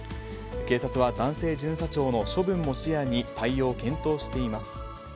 警察は男性巡査長の処分も視野に対応を検討しています。